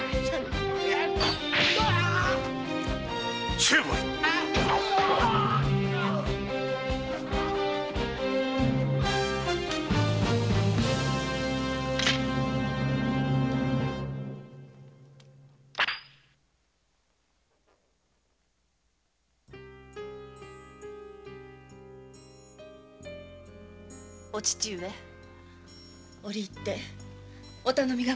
お父上折り入ってお頼みがございます。